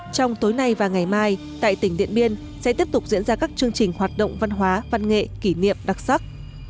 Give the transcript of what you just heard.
trong tối nay và ngày mai tại tỉnh điện biên sẽ tiếp tục diễn ra các chương trình hoạt động văn hóa văn nghệ kỷ niệm đặc sắc